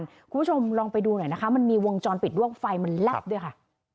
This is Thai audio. คุณผู้ชมลองไปดูหน่อยนะคะมันมีวงจรปิดด้วยไฟมันแลบด้วยค่ะ